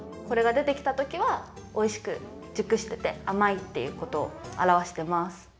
これがでてきたときはおいしくじゅくしててあまいっていうことをあらわしてます。